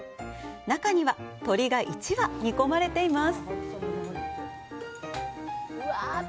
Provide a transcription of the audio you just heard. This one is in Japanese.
中には、鶏が一羽、煮込まれています。